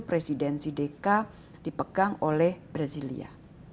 presidensi deka dipegang oleh brasilia